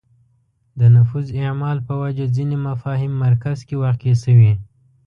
د نفوذ اعمال په وجه ځینې مفاهیم مرکز کې واقع شوې